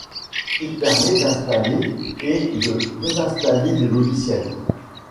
Il permet d'installer et de désinstaller des logiciels.